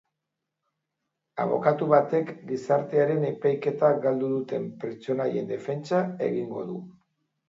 Abokatu batek gizartearen epaiketa galdu duten pertsonaien defentsa egingo du.